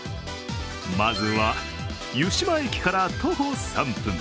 まずは、湯島駅から徒歩３分。